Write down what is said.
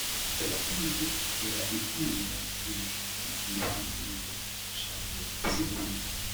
Blarirwa kandi itera inkunga irushanwa ribanziriza shampiyona (Preseason Tournament)